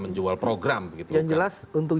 menjual program yang jelas untuk